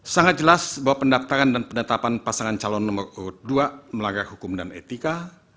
sangat jelas bahwa pendaftaran dan penetapan pasangan calon nomor dua melanggar hukum dan etika